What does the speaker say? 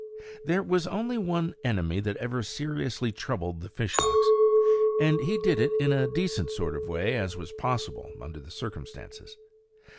There was only one enemy that ever seriously troubled the fishhawks; and he did it in as decent a sort of way as was possible under the circumstances.